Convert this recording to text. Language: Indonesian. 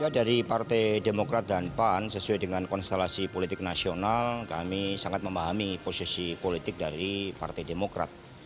dari partai demokrat dan pan sesuai dengan konstelasi politik nasional kami sangat memahami posisi politik dari partai demokrat